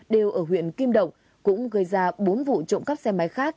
đều ở huyện kim động cũng gây ra bốn vụ trộm cắp xe máy khác